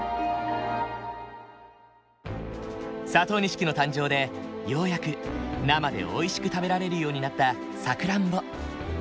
佐藤錦の誕生でようやく生でおいしく食べられるようになったさくらんぼ。